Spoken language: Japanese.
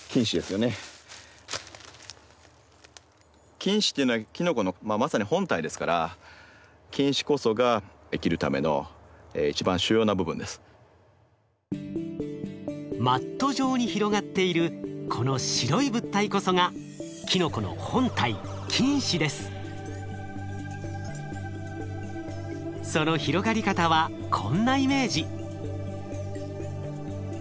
菌糸っていうのはキノコのまさに本体ですから菌糸こそがマット状に広がっているこの白い物体こそがキノコの本体その広がり方はこんなイメージ。